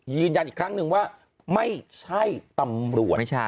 ยืนยันอีกครั้งนึงว่าไม่ใช่ตำรวจ